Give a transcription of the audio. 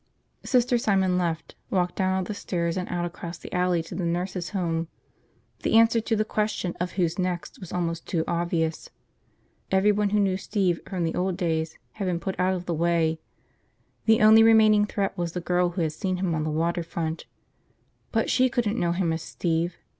Sister Simon left, walked down all the stairs and out across the alley to the nurses' home. The answer to the question of who's next was almost too obvious. Everyone who knew Steve from the old days had been put out of the way. The only remaining threat was the girl who had seen him on the water front. But she couldn't know him as Steve!